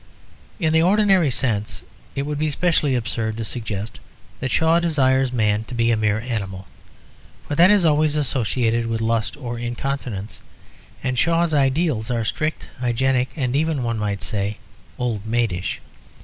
In the ordinary sense it would be specially absurd to suggest that Shaw desires man to be a mere animal. For that is always associated with lust or incontinence; and Shaw's ideals are strict, hygienic, and even, one might say, old maidish.